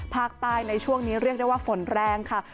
ภาคใต้ในช่วงนี้เรียกได้ว่าฝนแรงค่ะ